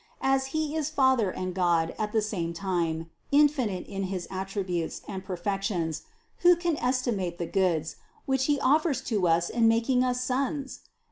As He is Father and God at the same time, infinite in his attributes and per fections, who can estimate the goods, which He offers to us in making us sons